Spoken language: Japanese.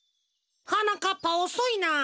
はなかっぱおそいな。